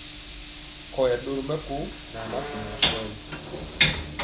Nkɔyɛ ɗori mɛko nɛ akumɔ asɔgi.